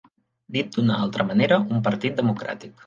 Dit d'una altra manera, un partit democràtic.